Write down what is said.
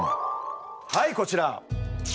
はいこちら！